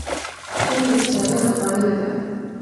تل یې په تیاره خوړلې ده.